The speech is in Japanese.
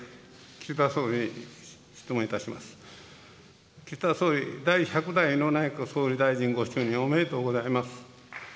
岸田総理、第１００代の内閣総理大臣ご就任おめでとうございます。